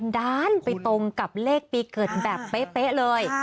ด้านไปตรงกับเลขปีเกิดแบบเป๊ะเลย